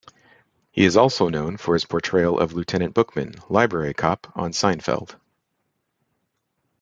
He is also known for his portrayal of Lieutenant Bookman, Library Cop on "Seinfeld".